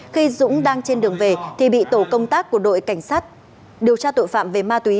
khi dũng đang trên đường về thì bị tổ công tác của đội cảnh sát điều tra tội phạm về ma túy